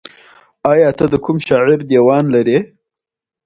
ایا ته د کوم شاعر دیوان لرې؟